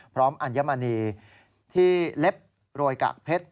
อัญมณีที่เล็บโรยกะเพชร